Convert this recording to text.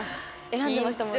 選んでましたもんね